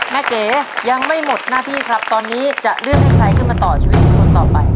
เก๋ยังไม่หมดหน้าที่ครับตอนนี้จะเลือกให้ใครขึ้นมาต่อชีวิตเป็นคนต่อไป